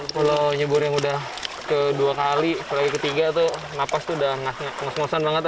kalau nyebur yang sudah kedua kali ke lagi ketiga tuh nafas tuh udah ngos ngosan banget ya